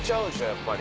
やっぱり。